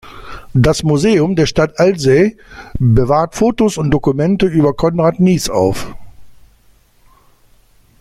Das Museum der Stadt Alzey bewahrt Fotos und Dokumente über Konrad Nies auf.